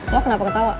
lo kenapa ketawa